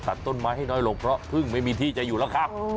ต้นไม้ให้น้อยลงเพราะพึ่งไม่มีที่จะอยู่แล้วครับ